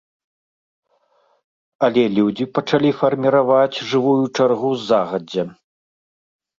Але людзі пачалі фарміраваць жывую чаргу загадзя.